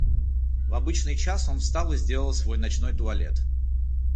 В обычный час он встал и сделал свой ночной туалет.